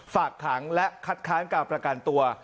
ฝากขังและคัดค้านการประกันตัว